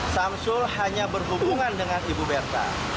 samsul hanya berhubungan dengan ibu berta